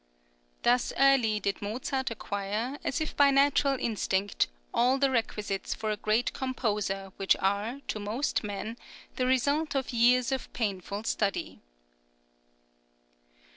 Thus early did Mozart acquire, as if by natural instinct, all the requisites for a great composer which are, to most men, the result of years of painful study.